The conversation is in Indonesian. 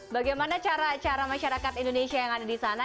bagaimana cara cara masyarakat indonesia yang ada di sana